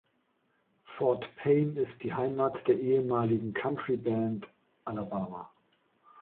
Fort Payne ist die Heimat der ehemaligen Country Band Alabama.